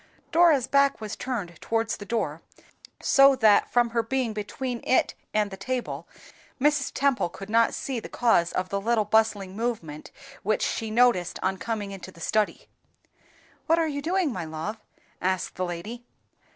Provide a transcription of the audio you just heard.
Dora's back was turned towards the door, so that, from her being between it and the table, Mrs. Temple could not see the cause of the little bustling movement which she noticed on coming into the study. "What are you doing, my love?" asked the lady.